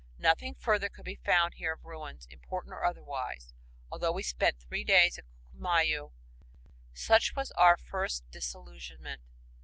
Nothing further could be found here of ruins, "important" or otherwise, although we spent three days at Ccllumayu. Such was our first disillusionment.